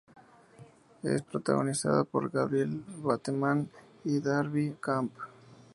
Es protagonizada por Gabriel Bateman y Darby Camp.